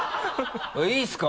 「いいっすか！」